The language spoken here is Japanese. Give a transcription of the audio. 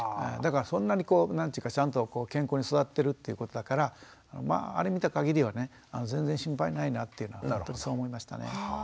だからそんなにこう何ていうかちゃんと健康に育ってるってことだからあれ見た限りはね全然心配ないなってそう思いましたね。